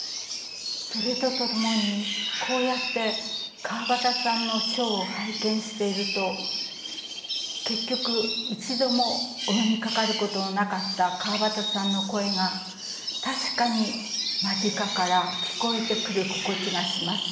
それとともにこうやって川端さんの書を拝見していると結局一度もお目にかかることのなかった川端さんの声が確かに間近から聞こえてくる心地がします。